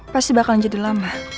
pasti bakalan jadi lama